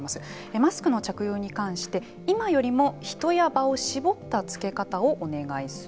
マスクの着用に関して今よりも人や場をしぼったつけ方をお願いする。